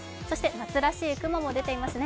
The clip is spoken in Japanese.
夏らしい雲も出ていますね。